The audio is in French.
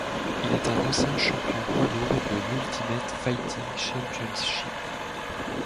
Il est un ancien champion poids lourd de l'Ultimate Fighting Championship.